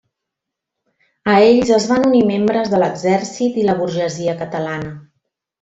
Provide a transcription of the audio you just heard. A ells es van unir membres de l'exèrcit i la burgesia catalana.